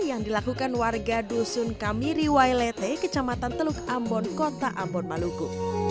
yang dilakukan warga dusun kamiri wailete kecamatan teluk ambon kota ambon maluku